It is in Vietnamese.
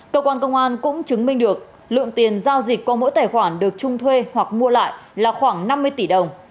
cơ quan công an cũng chứng minh được lượng tiền giao dịch qua mỗi tài khoản được trung thuê hoặc mua lại là khoảng năm mươi tỷ đồng